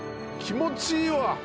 気持ちいいわ。